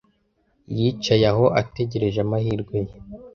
Yicaye aho ategereje amahirwe ye.